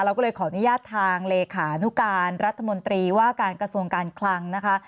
เราก็เลยขออนุญาตทางเลขานุการรัฐมนตรีว่าการกระทรวงการคลังนะคะ